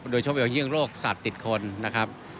โดยเฉพาะเยื่องโรคสัตว์ติดคนนะครับ